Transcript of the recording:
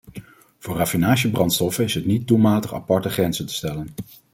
Voor raffinagebrandstoffen is het niet doelmatig aparte grenzen te stellen.